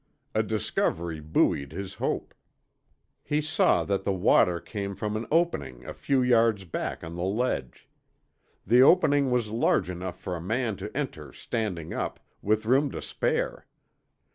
A discovery buoyed his hope. He saw that the water came from an opening a few yards back on the ledge. The opening was large enough for a man to enter standing up, with room to spare.